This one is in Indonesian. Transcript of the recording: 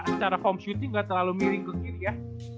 dan secara form shooting gak terlalu miring ke kiri ya